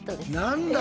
何だ